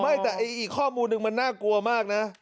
ไม่แต่อีกข้อมูลหนึ่งมันน่ากลัวมากนะ